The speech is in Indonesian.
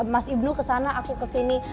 mas ibnu kesana aku kesini